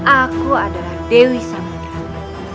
aku adalah dewi samudera